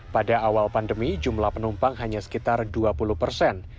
pada awal pandemi jumlah penumpang hanya sekitar dua puluh persen